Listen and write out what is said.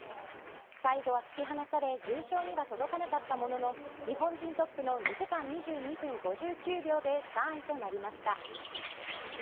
最後は突き放され優勝には届かなかったものの日本人トップの２時間２２分５９秒で３位となりました。